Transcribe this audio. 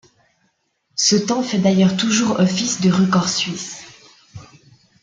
Ce temps fait d'ailleurs toujours office de record suisse.